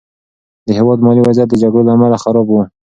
د هېواد مالي وضعیت د جګړو له امله خراب و.